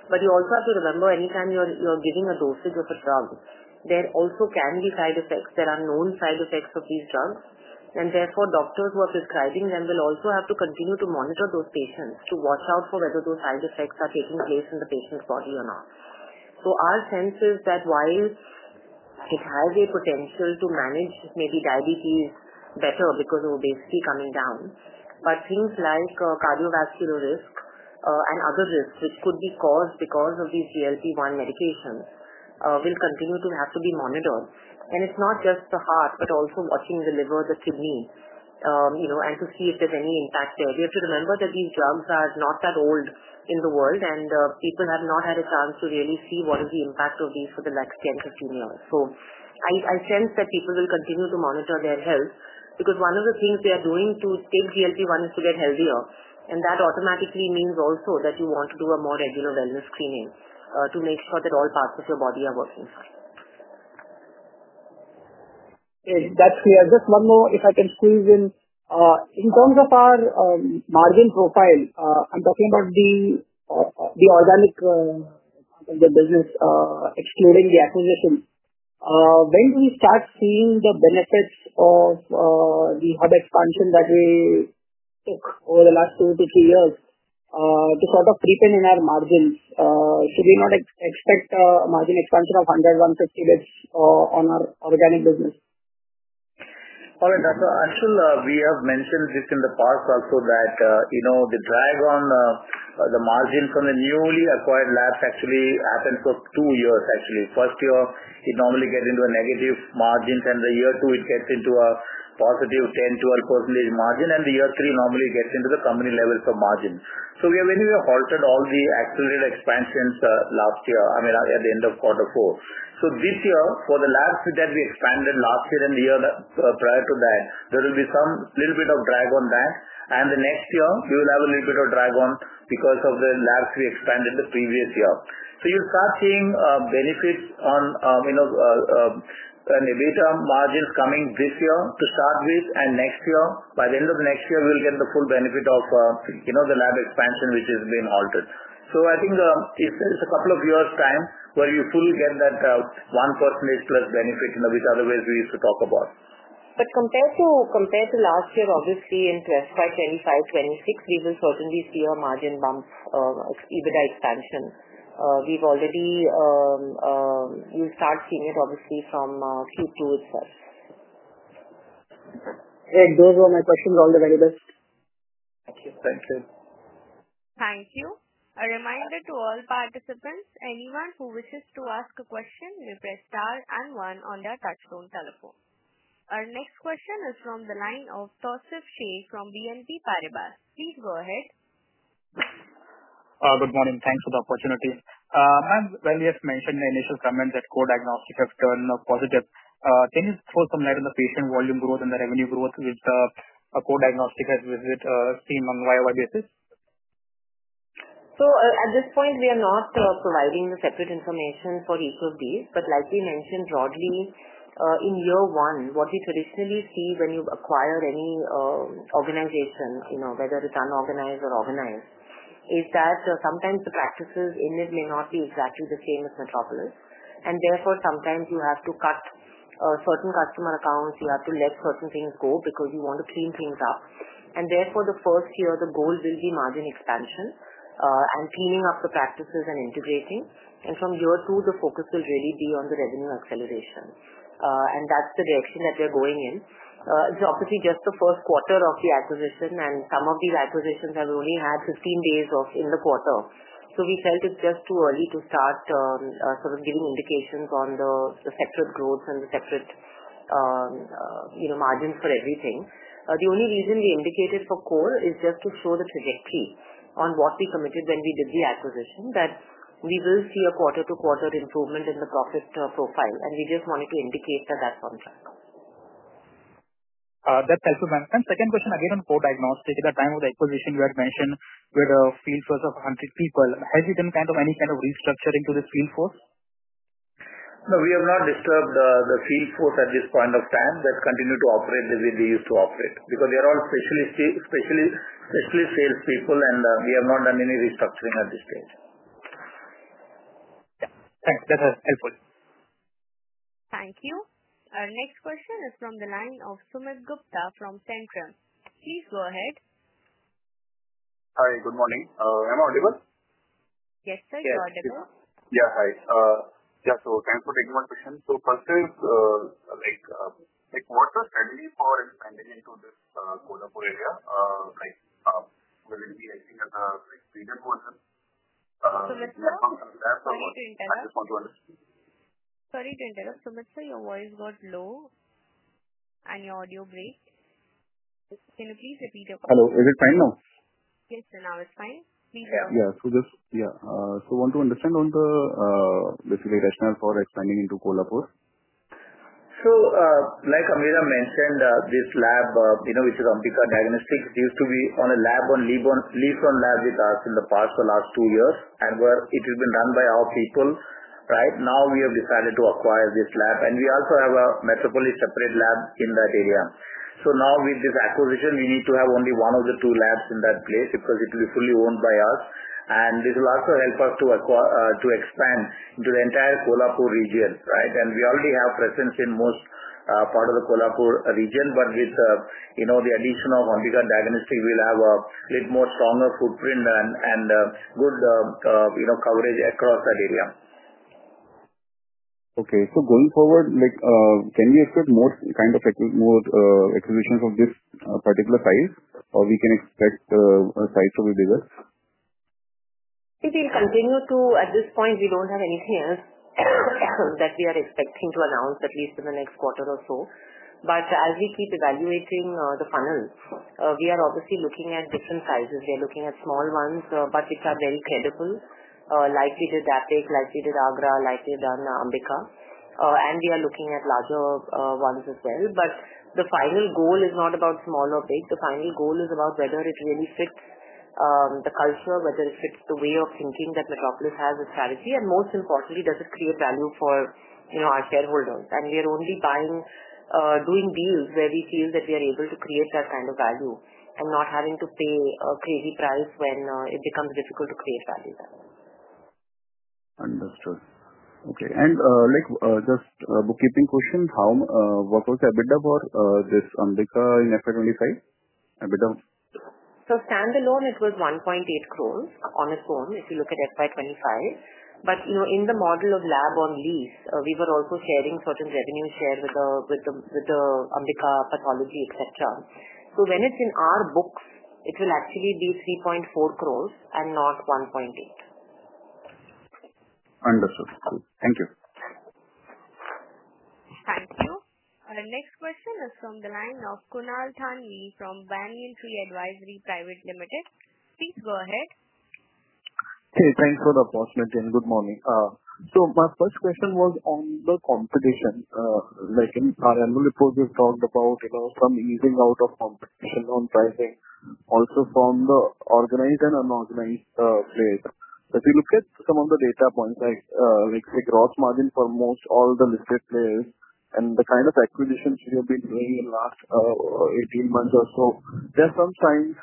You also have to remember anytime you're giving a dosage of a drug, there also can be side effects. There are known side effects of these drugs, and therefore doctors who are prescribing them will also have to continue to monitor those patients to watch out for whether those side effects are taking place in the patient's body or not. Our sense is that while it has a potential to manage maybe diabetes better because of obesity coming down, but things like cardiovascular risk and other risks that could be caused because of these GLP-1 medication, will continue to have to be monitored. It's not just the heart, but also watching the liver, the kidney and to see if there's any impact, we have to remember that these drugs are not that old in the world and people have not had a chance to really see what is the impact of these for the next 10, 15 years. I sense that people will continue to monitor their health because one of the things they are doing to stick GLP-1 is to get healthier. That automatically means also that you want to do a more regular wellness screening to make sure that all parts of your body are working fine. That's clear. Just one more if I can squeeze in. In terms of our margin profile, I'm talking about the organic part of the business excluding the acquisition. When do we start seeing the benefits of the hub expansion that we took over the last two to three years to sort of creep in in our margins? Should we not expect a margin expansion? 100 bps-150 bps on our organic business? Anshul, we have mentioned in the past also that the drag on the margin from the newly acquired labs actually happens for two years actually. First year it normally gets into a negative margin and year two it gets into a positive 10%-12% margin, and year three normally gets into the company levels of margin. We have anyway halted all the accelerated expansions last year, at the end of Q4. This year, for the labs that we expanded last year and the year prior to that, there will be some a little bit of drag on that, and the next year we will have a little bit of drag on because of the labs we expanded the previous year. So you'll start seeing benefits on EBITDA margins coming this year to start with, and next year, by the end of next year, we'll get the full benefit of the lab expansion which has been halted. I think it's a couple of years' time where you fully get that 1% plus benefit which otherwise we used to talk about. Compared to last year, obviously in FY2025, FY2026, we will certainly see a margin bump of EBITDA expansion. We've already started seeing it obviously from Q2 itself. Great. Those were my questions. All the very best. Thank you. Thank you. Thank you. A reminder to all participants. Anyone who wishes to ask a question may press Star and one on their touchpoint telephone. Our next question is from the line of Tausif Shaikh from BNP Paribas. Please go ahead. Good morning. Thanks for the opportunity. Ma'am, well, you mentioned in the initial comment that Core Diagnostics has turned positive. Can you throw some light on the patient volume growth and the revenue growth with Core Diagnostics as we have seen on a YoY basis? At this point we are not providing the separate information for each of these. Like we mentioned broadly in year one, what we traditionally see when you acquire any organization, whether it's unorganized or organized, is that sometimes the practices in it may not be exactly the same as Metropolis. Therefore, sometimes you have to cut certain customer accounts, you have to let certain things go because you want to clean things up. And therefore, the first year the goal will be margin expansion and cleaning up the practices and integrating. From year two, the focus will really be on the revenue acceleration. That's the direction that we are going in. It is obviously it's just the first quarter of the acquisition and some of these acquisitions have only had 15 days in the quarter. We felt it's just too early to start giving indications on the separate growth and the separate margins for everything. The only reason we indicated for Core is just to show the trajectory on what we committed when we did the acquisition that we will see a quarter-to-quarter improvement in the profit profile and we just wanted to indicate that that's on track. That's helpful, ma'am. Second question again on Core Diagnostics. At the time of the acquisition, you had mentioned we had a field force of 100 people. Have we done any kind of restructuring to the field force? No, we have not disturbed the field force at this point of time. They continue to operate the way they used to operate because they are all specialist sales people, and we have not done any restructuring at this stage. Thanks. That's helpful. Thank you. Our next question is from the line of Sumit Gupta from Tencent. Please go ahead. Hi, good morning. Am I audible? Yes, sir, you're audible. Yeah, hi. Thanks for taking my question. First is like what's the strategy for expanding into this Kolhapur area? Like will it be acting as a bigger. Sumit sir, sorry to interrupt. Your voice got low and your audio break. Can you please repeat your question? Hello, is it fine now? Yes, now it's fine. Yeah, just want to understand on the basically rationale for expanding into Kolhapur. Like Ameera mentioned, this lab, you know, which is Ambika Diagnostics, used to be on lease-owned lab with us in the past for the last two years and where it has been run by our people. Now, we have decided to acquire this lab and we also have a Metropolis separate lab in that area. With this acquisition, we need to have only one of the two labs in that place because it will be fully owned by us. This will also help us to expand into the entire Kolhapur region. We already have presence in most part of the Kolhapur region, but with the addition of Ambika Diagnostics, we'll have a little more stronger footprint and good coverage across that area. Okay, so going forward, can you expect more acquisitions of this particular size or can we expect a size to be bigger? It will continue to, at this point we don't have anything else that we are expecting to announce at least in the next quarter or so. As we keep evaluating the funnel, we are obviously looking at different sizes. We are looking at small ones, but which are very credible, like we did DAPIC, like we did Agra, like we've done Ambika, and we are looking at larger ones as well. The final goal is not about small or big. The final goal is about whether it really fits the culture, whether it fits the way of thinking that Metropolis has as a strategy, and most importantly, does it create value for, you know, our shareholders. We are only buying, doing deals where we feel that we are able to create that kind of value and not having to pay a crazy price when it becomes difficult to create value. Understood. Okay. Just a bookkeeping question, what was EBITDA for this Ambika in FY2025? Standalone it was 1.8 croress, on its own if you look at FY2025, but in the model of lab on lease we were also sharing certain revenue share with Ambika Diagnostics, et cetera, so when it's in our books, it will actually give 3.4 crores and not 1.8 crores. Understood. Thank you. Thank you. The next question is from the line of Kunal Thanvi from Banyan Tree Advisory Private Limited. Please go ahead. Hey, thanks for the opportunity and good morning. My first question was on the competition. In our annual report we've talked about some easing out of competition on pricing, also from the organized and unorganized players. If you look at some of the data points, like say gross margin for most all the listed players and the kind of acquisitions we have been doing in the last 18 months or so, there are some signs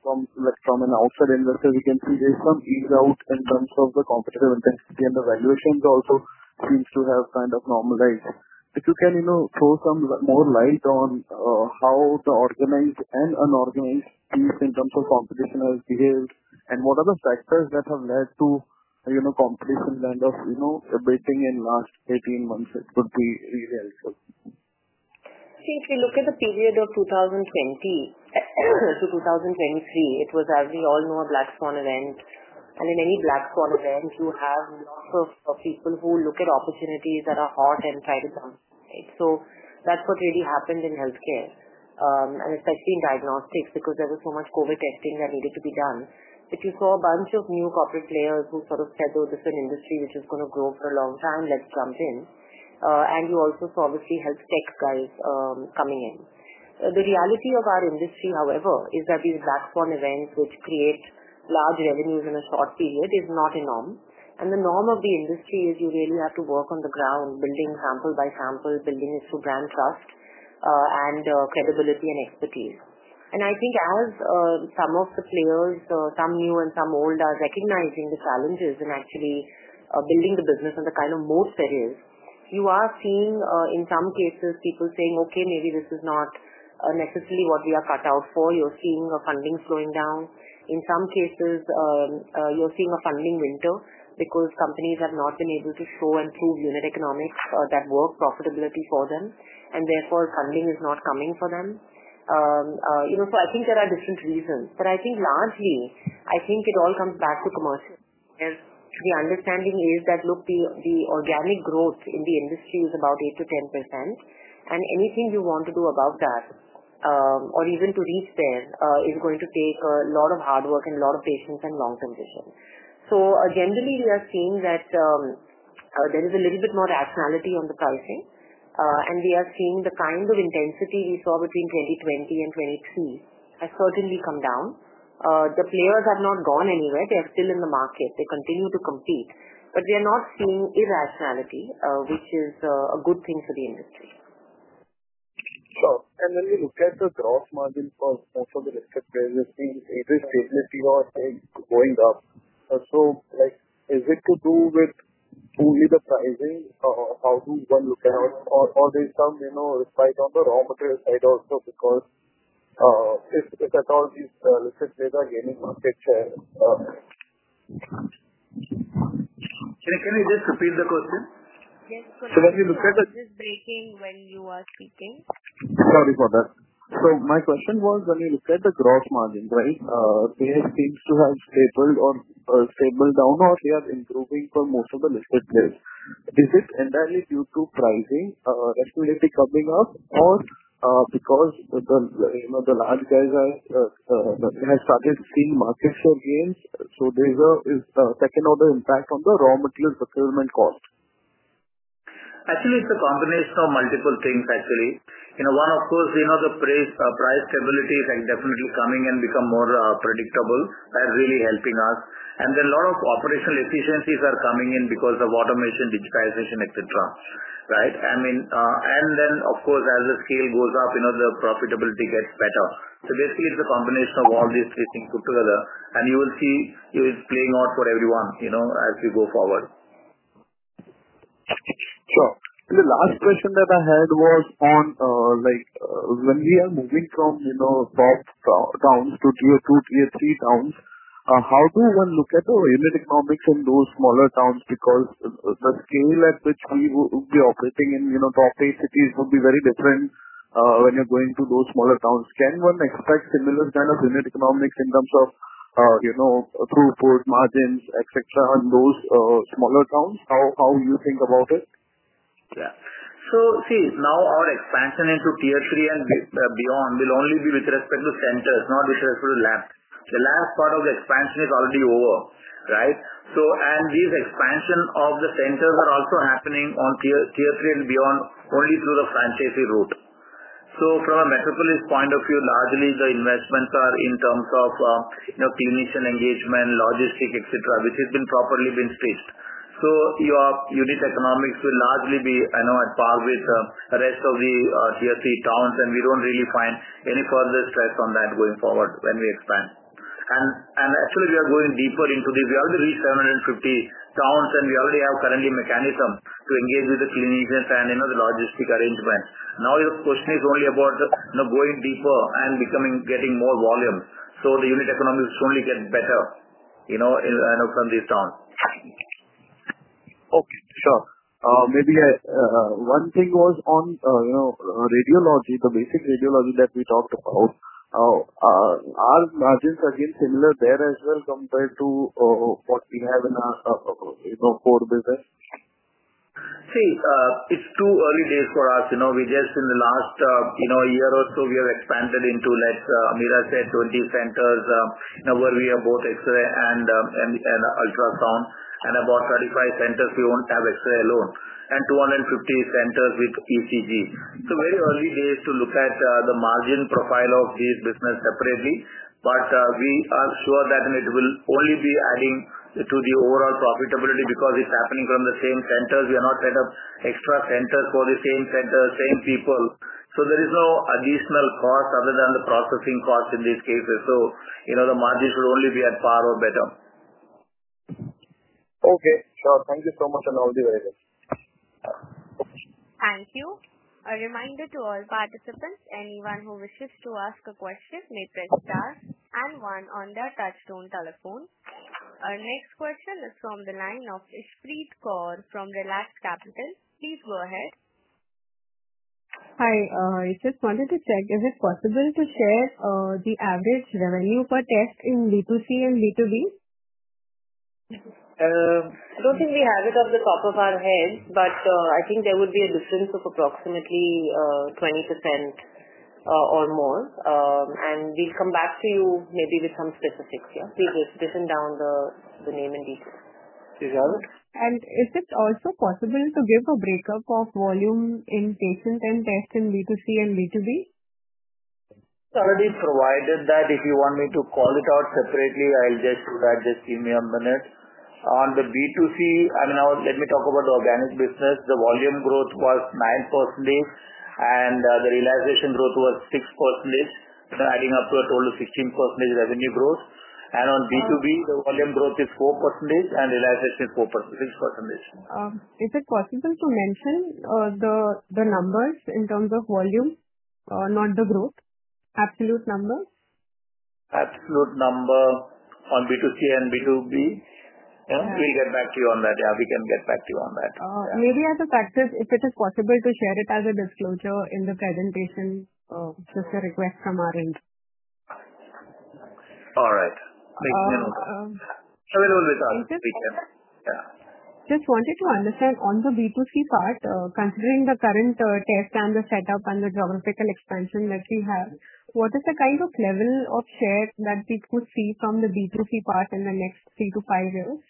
from an outside investor we can see there's some ease out in terms of the competitive intent and the valuations also seem to have kind of normalized. If you can throw some more light on how the organized and unorganized in terms of competition has behaved and what are the factors that have led to competition land of everything in the last 18 months, it would be really helpful. See, if you look at the period of 2020-2023, it was, as we all know, a black swan event. In any black swan event, you have lots of people who look at opportunities that are hot and try jump in. That's what really happened in healthcare and especially in diagnostics because there was so much COVID testing that needed to be done. If you saw a bunch of new corporate players who sort of said, oh, this is an industry which is going to grow for a long time, let's jump in, and you also obviously have tech guys coming in. The reality of our industry, however, is that these black swan events which create large revenues in a short period is not a norm. The norm of the industry is you really have to work on the ground, building sample by sample, building it through brand trust and credibility and expertise. I think as some of the players, some new and some old, are recognizing the challenges in actually building the business and the kind of mode there is, you are seeing in some cases people saying, okay, maybe this is not necessarily what we are cut out for. You're seeing funding slowing down. In some cases, you're seeing a funding winter because companies have not been able to show and proved unit economics that work profitability for them, and therefore funding is not coming for them. I think there are different reasons, but I think largely it all comes back to commercial. The understanding is that, look, the organic growth in the industry is about 8%-10%, and anything you want to do above that or even to reach there is going to take a lot of hard work and a lot of patience and long-term vision. Generally, we are seeing that there is a little bit more rationality on the pricing, and we are seeing the kind of intensity we saw between 2020 and 2023 has certainly come down. The players have not gone anywhere. They are still in the market, they continue to compete, but we are not seeing irrationality, which is a good thing for the industry. Sure. When we look at the gross margin for the listed players, we have seen either stability of going up, is it to do with only the pricing, or there's some respite on the raw material side also, because if at all these listed players are gaining market share? Can you just repeat the question? When you look at this, this is. You are breaking when you are speaking. Sorry for that. My question was when you looked at the gross margin, right, there seems to have stable or stable down or they are improving for most of the listed players. This is entirely due to pricing responsibility coming up or because the, you know, the large guys have started seeing market for gains. There is second order impact on the raw material procurement cost. Actually, it's a combination of multiple things. You know, one, of course, the price stability is definitely coming and becoming more predictable by really helping us. Then a lot of operational efficiencies are coming in because of automation, digitization, et cetera. Right. I mean, as the scale goes up, the profitability gets better. This is a combination of all these three things put together. You will see it's playing out for everyone as you go forward. Sure. The last question that I had was on, when we are moving from, you know, top towns to Tier 2, Tier 3 towns, how does one look at the unit economics in those smaller towns, because the scale at which we would be operating in, you know, top eight cities would be very different when you're going to those smaller towns, can one expect similar kind of unit economics in terms of, you know, throughput margins, et cetera, and in those smaller towns, how do you think about it? Yeah. See, now our expansion into Tier 3 and beyond will only be with respect to centers, not with respect to labs. The lab part of the expansion is already over, right? These expansions of the centers are also happening in Tier 3 and beyond only through the franchisee route. From a Metropolis point of view, largely the investments are in terms of clinician engagement, logistics, et cetera, which has been properly stitched. So your unit economics will largely be at par with the rest of the Tier 3 towns. We don't really find any further stress on that going forward when we expand. Actually, we are going deeper into this. We already reached 750 towns and we already have currently a mechanism to engage with the clinicians and the logistic arrangement. Now, your question is only about going deeper and getting more volume. The unit economics only get better from these towns. Okay, sure. Maybe one thing was on the basic radiology, the basic radiology that we talked about. Are margins again similar there as well compared to what we have in our Core business. See, it's too early days for us. You know, we just in the last year or so, we have expanded into, like Ameera said, 20 centers, now where we are both X-ray and ultra sound, and about 35 centers we would not have X-ray alone, and 250 centers with ECG. Very early days to look at the margin profile of these business separately. We are sure that it will only be adding to the overall profitability because it's happening from the same centers. We are not set up extra center for the same center, same people. There is no additional cost other than the processing costs in these cases. The margin should only be at par or better. Okay, thank you so much all the very best. Thank you. A reminder to all participants and anyone who wishes to ask a question may press star and one on the Touchstone telephone. Our next question is from the line of Ispreet Kaur from Relaxed Capital. Please go ahead. Hi, I just wanted to check, is it possible to share the average revenue per test in B2C and B2B? I don't think we have it off the top of our head, but I. think there would be a difference of approximately 20% or more. We'll come back to you maybe with some specifics. Yes, please. We have written down the name in detail. Is it also possible to give a breakup of volume in patient and test in B2C and B2B? Already provided that. If you want me to call it out separately, I'll just do that. Just give me a minute. On the B2C, I mean, let me talk about the organic business. The volume growth was 9% and the realization growth was 6%, adding up to a total of 16% revenue growth. On B2B, the volume growth is 4% and realization is 6%. Is it possible to mention the numbers in terms of volume, not the growth. Absolute number. Absolute number on B2C and B2B. We'll get back to you on that. Yeah, we can get back to you. Maybe as a practice, if it is possible to share it as a disclosure in the presentation. Just a request from our end. All right. Just wanted to understand on the B2C part, considering the current test and the setup and the geographical expansion that we have, what is the kind of level of share that we could see from the B2C part in the next three to five years?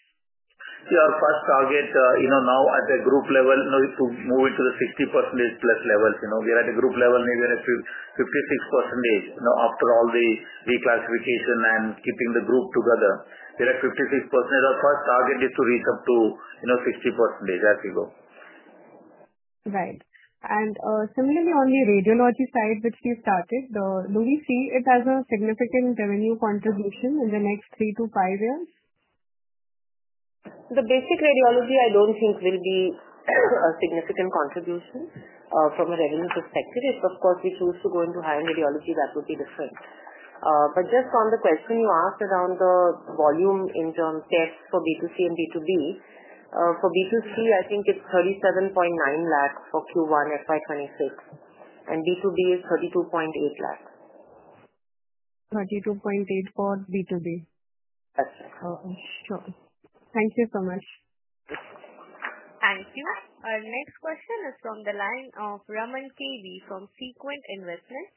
Your first target, you know, now at the group level to moving to the 60% plus levels, you know, we are at a group level maybe at 56% after all the declassification and keeping the group together, we're at 56% of our target is to reach up to, you know, 60% as you go. Right. Similarly, on the radiology side, which we started, do we see it as a significant revenue contribution in the next three to five years? The basic radiology I don't think will be a significant contribution from a resident perspective. If of course we choose to go into high end radiology that would be different. Just on the question you asked around the volume in germ tests for B2C and B2B, for B2C I think it's 37.9 million for Q1 FY2026 and B2B is 3.28 million. 32.8 for B2B. Sure. Thank you so much. Thank you. Our next question is from the line of Raman KV from Sequent Investment.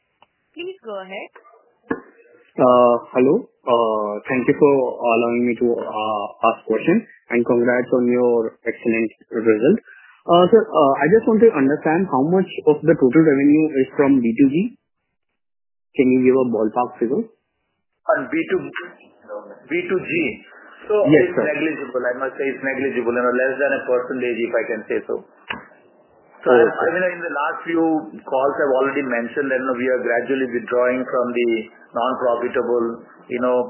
Please go ahead. Hello, thank you for allowing me to. Ask questions and congrats on your excellent result. I just want to understand how much of the total revenue is from B2G. Can you give a ballpark figure? B2G, I must say it is negligible. I must say it's negligible and less than a percentage if I can say so. In the last few calls I've already mentioned that we are gradually withdrawing from the non-profitable, you know,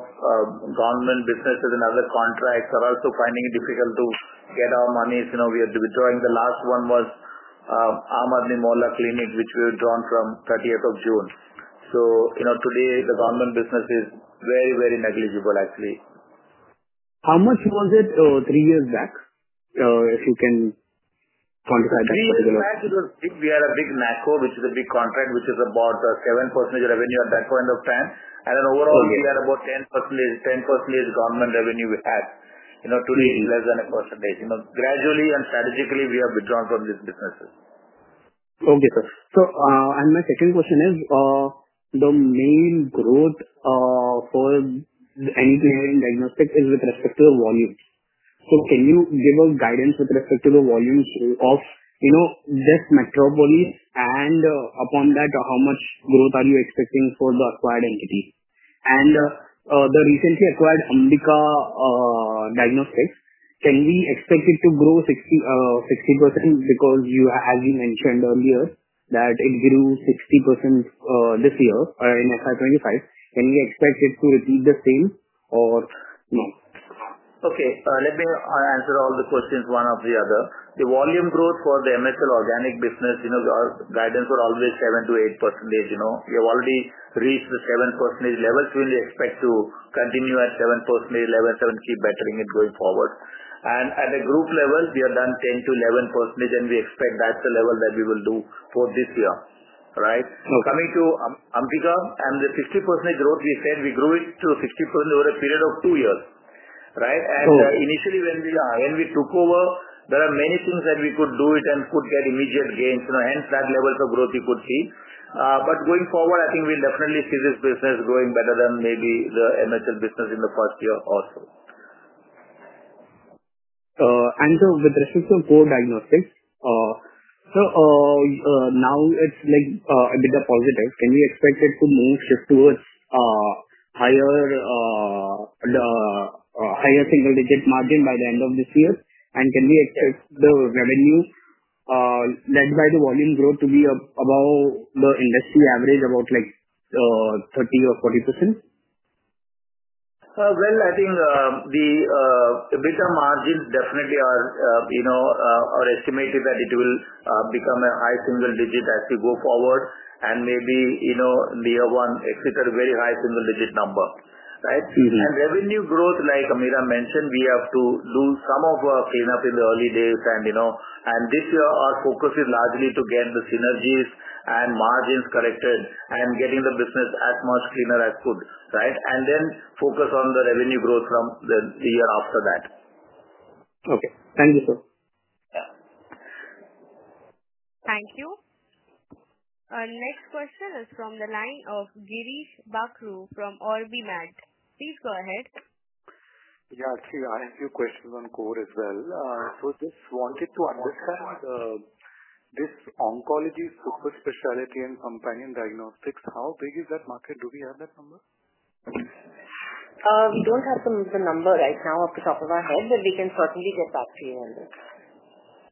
government businesses and other contracts are also finding it difficult to get our monies. We are withdrawing. The last one was Aam Aadmi Mohalla Clinics which we've withdrawn from 30th of June. Today the government business is very, very negligible, actually. How much was it three years back if you can quantify? Three years back, we had a big NACO which is a big contract which is about 7% revenue at that point of time. Overall we had about 10% government revenue with tax in. Todat it is less that a percentage. You know, gradually and strategically we have withdrawn from these businesses. Okay, sir. My second question is the main growth for any diagnostic is with respect to the volumes. Can you give a guidance with respect to the volumes of, you know, this Metropolis and upon that, how much growth are you expecting for the acquired entity. The recently acquired Ambika Diagnostics? Can we expect it to grow 60% because you have mentioned earlier that it grew 60% this year, in FY 2025. Can we expect it to repeat the same or not? Let me answer all the questions. One after the other, the volume growth for the MHL organic business, you know, guidance were always 7%-8%, you know, you already reached the 7% level. We expect to continue at 7% level and keep bettering it going forward. At a group level we have done 10%-11% and we expect that's the level that we will do for this year. Coming to Ambika, and the 50% growth, we said we grew it to 60% over a period of two years. Initially when we took over, there are many things that we could do and could get immediate gains and flat levels of growth you could see. Going forward I think we definitely see this business growing better than maybe the MHL business in the first year or so. And sir, with respect to Core Diagnostics, so now it's like EBITDA positive can you expect it to move shift towards higher, the higher single digit margin by the end of this year? Can we expect the revenue led by the volume growth to be above the industry average, about like 30% or 40%? I think the EBITDA margins definitely are, you know, are estimated that it will become a high single digit as we go forward and maybe, you know, the year one expected a very high single digit number up, right? Revenue growth, like Ameera mentioned, we have to do some of our cleanup in the early days, and this year our focus is largely to get the synergies and margins corrected and getting the business as much cleaner as good, right? And then focus on the revenue growth from the year after that. Okay, thank you sir. Yeah. Thank you. Our next question is from the line of Girish Bakhru from OrbiMed. Please go ahead. Yeah, see I have few questions on Core as well. Just wanted to understand this oncology, super specialty, and companion diagnostics. How big is that market? Do we have that number? We don't have the number right now off the top of our head, but we can certainly get back to you on this.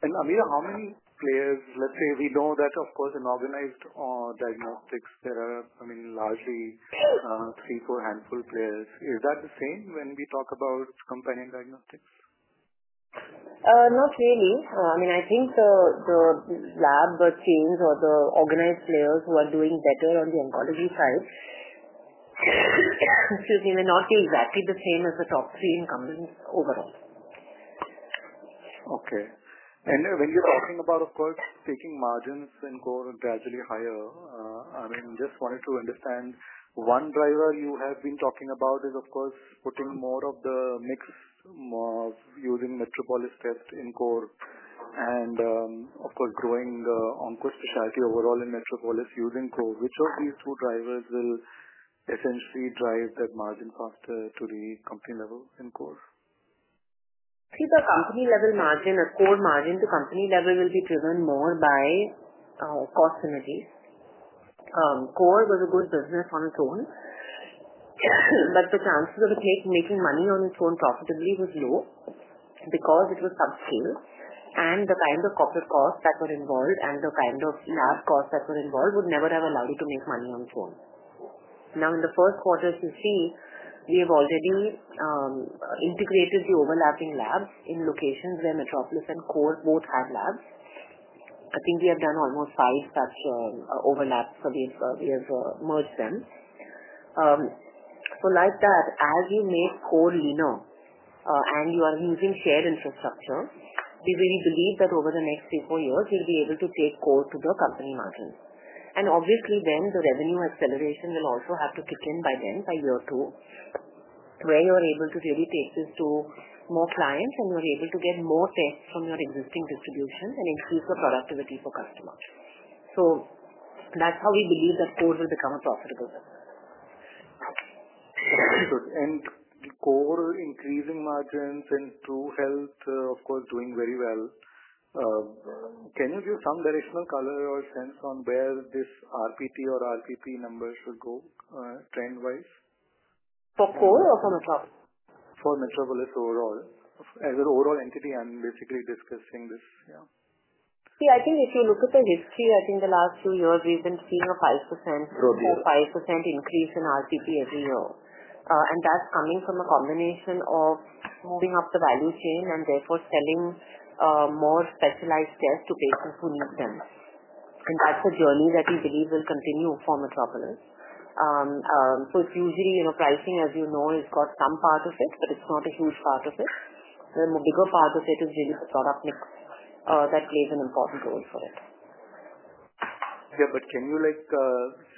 Ameera, how many players, let's say we know that of course in organized diagnostics there are, I mean, largely three, four handful players. Is that the same when we talk about companion diagnostics? Not really. I mean I think the lab chains or the organized players who are doing better on the oncology side, may not be exactly the same as the top three incumbents overall. Okay. When you're talking about, of course, taking margins in Core gradually higher, I just wanted to understand one driver you have been talking about is, of course, putting more of the mix using Metropolis test in Core and, of course, growing the onco speciality overall in Metropolis using Core. Which of these two drivers will essentially drive that margin cost to the company level in Core? See, the company level margin at Core margin to company level will be driven more by cost synergies. Core was a good business on its own. But the chances of Core making money on its own profitably was low because it was subscale and the kind of corporate cost that were involved and the kind of lab costs that were involved would never have allowed you to make money on it's own. In the first quarter, as you see, we have already integrated the overlapping labs in locations where Metropolis and Core both have labs. I think we have done almost five such overlaps, so we've merged them. So like that, as you make Core leaner and you are using shared infrastructure, we really believe that over the next three, four years we'll be able to take Core to the company margin and obviously then the revenue acceleration will also have to kick in by then, by year two, where you're able to really take this to more clients, and you're able to get more tests from your existing distribution and increase the productivity for customers. That's how we believe that Core will become a profitable business. Understood. Core increase in margin and TruHealth, of course, doing very well. Can you give some directional color or sense on where this RPT or RPP numbers will go trend wise? For Core or for Metropolis? For Metropolis overall. As an overall entity, I'm basically discussing this. Yeah, see, I think if you look at the history, I think the last few years we've been seeing a 3%-5% increase in RPP every year. That's coming from a combination of moving up the value chain and therefore selling more specialized tests to patients who need them. That's a journey that we believe will continue for Metropolis. So, usually, you know, pricing, as you know, has got some part of it, but it's not a huge part of it. The bigger part of it is unique product that plays an important role for it. Yeah, can you like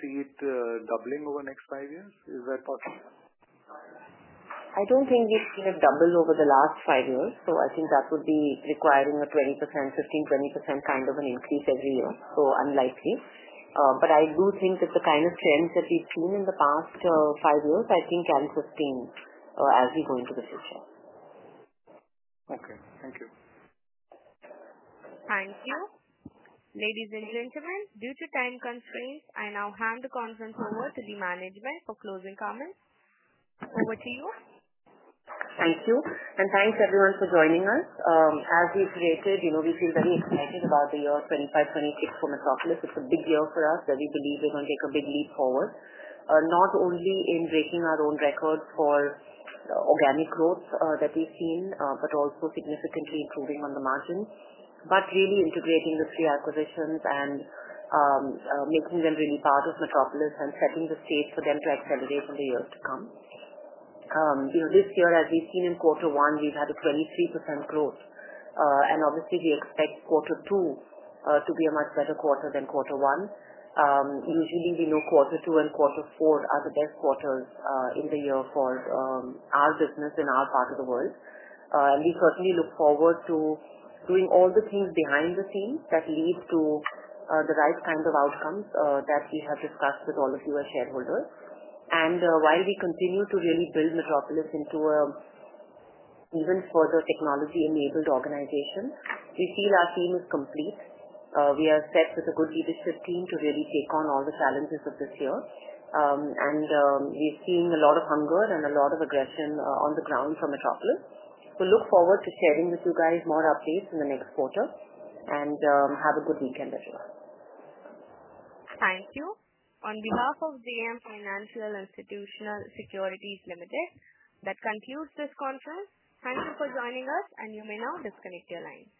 see it doubling over the next five years? Is that possible? I don't think we have seen a doubling over the last five years. I think that would be requiring a 15%, 20% kind of an increase every year, so unlikely. I do think that the kind of trends that we've seen in the past five years, I think 10%, 15% as we go into the future. Okay, thank you. Thank you. Ladies and gentlemen, due to time constraints, I now hand the conference over to the management for closing comments. Over to you. Thank you and thanks everyone for joining us. As we stated, you know, we seem very excited about the year of 2024, Metropolis. It's a big deal for us that we believe we're going to take a big leap forward, not only in breaking our own record for organic growth that we've seen but also significantly improving on the margin, really integrating the three acquisitions and making them really part of Metropolis and setting the stage for them to accelerate in the years to come. You know, this year, as we've seen in Q1, we've had a 23% growth and obviously we expect Q2 to be a much better quarter than Q1. We know Q2 and Q4 are the best quarters in the year for our business in our part of the world. We certainly look forward to doing all the things behind the scenes that leads to the right kind of outcomes that we have discussed with all of you as shareholders. While we continue to really build Metropolis into even further technology enabled organization, we feel our theme is complete. We are set with a good leadership team to really take on all the challenges of this year. We've seen a lot of hunger and a lot of aggression on the ground for Metropolis. We look forward to sharing with you guys more updates in the next quarter and have a good weekend as well. Thank you. On behalf of JM Financial Institutional Securities Limited, that concludes this conference. Thank you for joining us. You may now disconnect your lines.